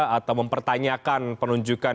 atau mempertanyakan penunjukkan